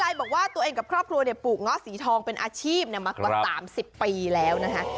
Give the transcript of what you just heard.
บอกว่าตัวเองกับครอบครัวปลูกเงาะสีทองเป็นอาชีพมากว่า๓๐ปีแล้วนะคะ